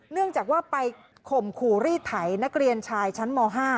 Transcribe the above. เนื่องจากว่าไปข่มขู่รีดไถนักเรียนชายชั้นม๕